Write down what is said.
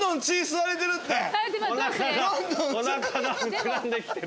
おなかが膨らんできてる。